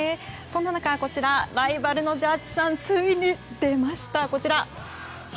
そんな中ライバルのジャッジさんついに出ました。